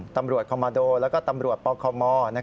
ตำรวจคอมมาโดและก็ตำรวจปคม